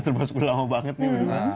terus lama banget nih